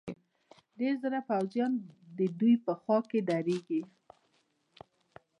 ډېر ځله پوځیان ددوی په خوا درېږي.